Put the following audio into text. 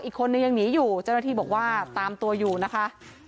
อีกคนนึงยังหนีอยู่เจ้าหน้าที่บอกว่าตามตัวอยู่นะคะ